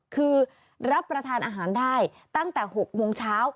คือรับประทานอาหารได้ตั้งแต่๖โมงเช้า